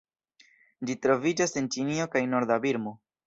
Ĝi troviĝas en Ĉinio kaj norda Birmo.